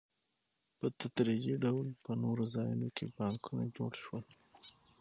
په تدریجي ډول په نورو ځایونو کې بانکونه جوړ شول